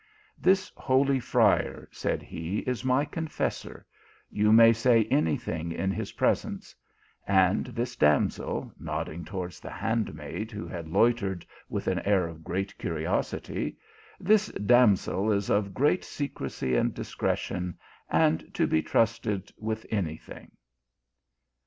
"This holy friar," said he, "is my confes sor, you may say any thing in his presence and this damsel," nodding towards the handmaid, who had loitered with an air of great curiosity, " this damsel is of great secrecy and discretion, and to be trusted with any thing."